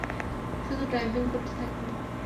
শুধু ড্রাইভিং করতে থাকবেন।